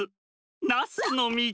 ナスのみち！